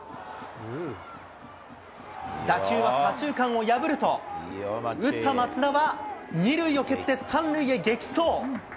打球は左中間を破ると、打った松田は、２塁を蹴って３塁へ激走。